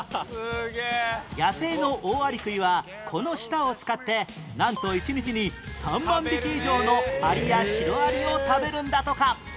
野生のオオアリクイはこの舌を使ってなんと１日に３万匹以上のアリやシロアリを食べるんだとか